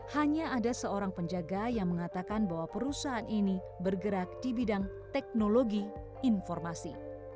hanya ada seorang penjaga yang mengatakan bahwa perusahaan ini bergerak di bidang teknologi informasi